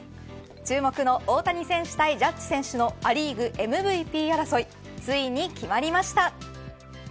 注目の大谷選手対ジャッジ選手のア・リーグＭＶＰ争いついに決まりました。